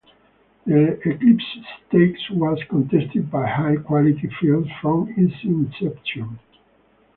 The Eclipse Stakes was contested by high-quality fields from its inception.